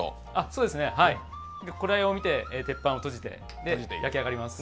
そうですね、頃合いを見て鉄板を閉じて焼き上がります。